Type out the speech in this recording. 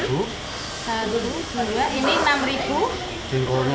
jengkol nya enam